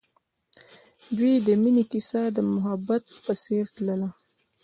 د دوی د مینې کیسه د محبت په څېر تلله.